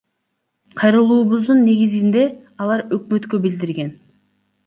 Кайрылуубуздун негизинде алар Өкмөткө билдирген.